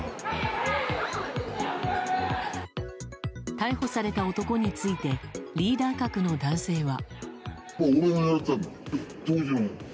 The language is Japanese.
逮捕された男についてリーダー格の男性は。